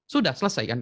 sudah selesai kan